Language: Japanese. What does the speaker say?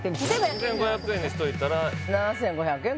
２５００円ぐらいにしといたら７５００円？